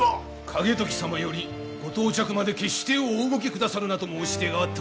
景時様よりご到着まで決してお動きくださるなと申し出があったはず。